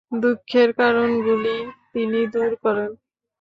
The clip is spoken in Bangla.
দুঃখের কারণগুলিই তিনি দূর করেন।